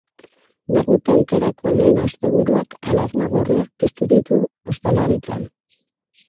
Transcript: Negu tankerako lehen asteburuak alarma gorriak piztu ditu ostalaritzan.